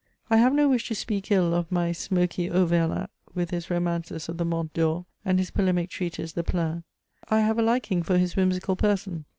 I have no wish to speak ill of my smoky Auvernat, with his romances of the Manf (TOr, and his po lemic treatise the Plaine ; I have a liking for his whimsical person.